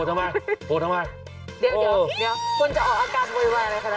เดี๋ยวคนจะออกอาการโวยวายอะไรขนาดนั้น